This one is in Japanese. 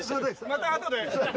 またあとで。